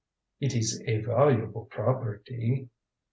"It is a valuable property."